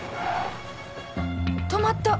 止まった！